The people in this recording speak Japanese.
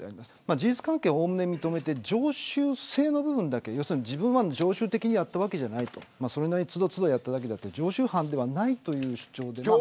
事実関係はおおむね認めて常習性の部分だけ自分は常習的にやったわけではないその都度やったわけであって常習犯ではないという主張です。